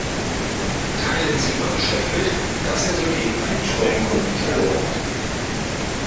Teilen Sie Ihrem Chef mit, dass er soeben einen treuen Kunden verloren hat.